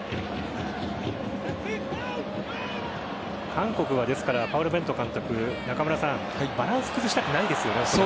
韓国はパウロ・ベント監督バランス崩したくないですよね。